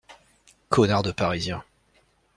Connards de Parisiens.